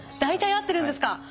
大体合ってるんですか！